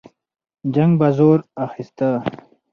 جنګ به زور اخیسته.